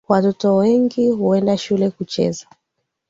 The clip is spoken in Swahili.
Watoto wengi huenda shule kucheza